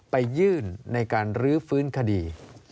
ไปยื่นในการรื้อฟื้นคดี